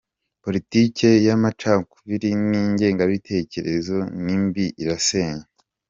Politike y’amacakubili n’ingengabitekerezo ni mbi irasenya.